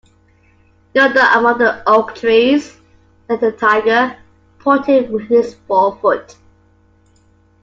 "Yonder, among the oak trees," said the tiger, pointing with his fore-foot.